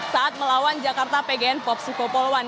saat melawan jakarta pgn popsikopoloan